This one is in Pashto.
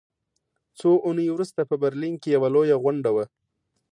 څو اونۍ وروسته په برلین کې یوه لویه غونډه وه